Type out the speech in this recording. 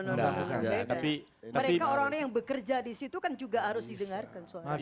mereka orang orang yang bekerja di situ kan juga harus didengarkan suara